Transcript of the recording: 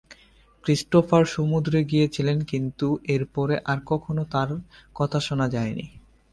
Christopher সমুদ্রে গিয়েছিলেন কিন্তু এর পরে আর কখনও তার কথা শোনা যায়নি।